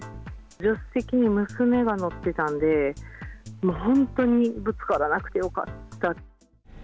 助手席に娘が乗ってたんで、本当にぶつからなくてよかった。